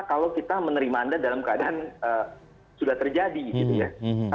kalau kita menerima anda dalam keadaan sudah terjadi gitu ya